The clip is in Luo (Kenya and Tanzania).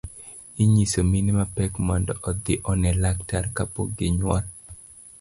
Inyiso mine mapek mondo odhi one laktar kapok ginyuol.